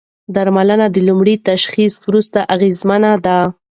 درملنه د لومړي تشخیص وروسته اغېزمنه ده.